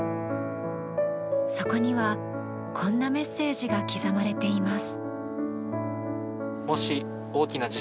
そこには、こんなメッセージが刻まれています。